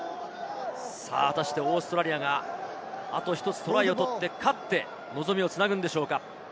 オーストラリアがあと１つトライを取って勝って、望みをつなぐんでしょうか。